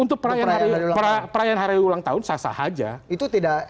untuk perayaan hari ulang tahun sah sah aja